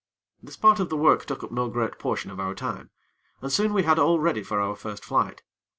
This part of the work took up no great portion of our time, and soon we had all ready for our first flight.